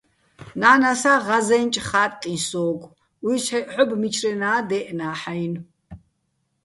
ნა́ნასა ღაზე́ნჭ "ხა́ტტიჼ" სო́გო̆, უჲსჰ̦ეჸ ჰ̦ობ, მიჩრენაა́ დე́ჸნა́ჰ̦-აჲნო̆.